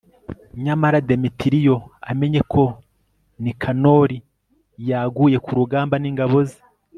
nyamara demetiriyo amenye ko nikanori yaguye ku rugamba n'ingabo ze